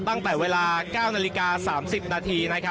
ตั้งแต่เวลา๙นาฬิกา๓๐นาที